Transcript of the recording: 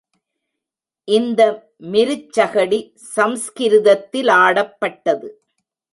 இந்த மிருச்சகடி சம்ஸ்கிருதத்திலாடப்பட்டது.